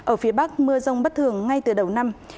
ở phía bắc mưa rông bất thường ngay từ đầu năm